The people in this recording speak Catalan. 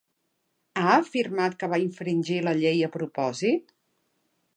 Ha afirmat que va infringir la llei a propòsit?